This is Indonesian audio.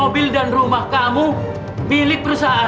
mobil dan rumah kamu milik perusahaan